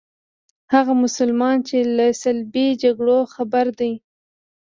هغه مسلمانان چې له صلیبي جګړو خبر دي.